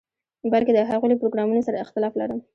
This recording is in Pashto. بلکې د هغوی له پروګرامونو سره اختلاف لرم.